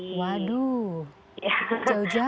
waduh jauh jauh dari minuman manis nih